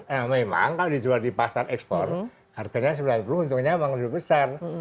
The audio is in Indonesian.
nah memang kalau dijual di pasar ekspor harganya sembilan puluh untungnya memang lebih besar